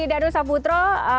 dan nusa putro